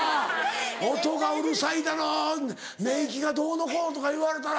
音がうるさいだの寝息がどうのこうのとか言われたら。